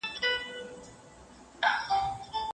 دا په مرګ ویده اولس دی زه به څوک له خوبه ویښ کړم